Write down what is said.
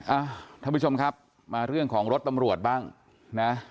ท่านผู้ชมครับมาเรื่องของรถตำรวจบ้างนะ